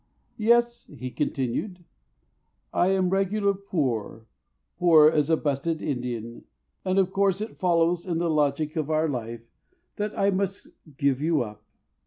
"Yes," he continued, "I am regular poor, Poor as a busted Indian, and of course It follows in the logic of our life That I must give you up.